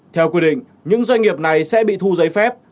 theo quy định những doanh nghiệp này sẽ bị thu giấy phép